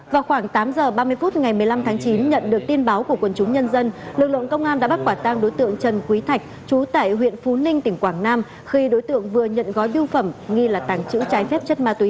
vào khoảng tám h ba mươi phút ngày một mươi năm tháng chín nhận được tin báo của quần chúng nhân dân lực lượng công an đã bắt quả tang đối tượng trần quý thạch trú tại huyện phú ninh tỉnh quảng nam khi đối tượng vừa nhận gói biêu phẩm nghi là tàng trữ trái phép chất ma túy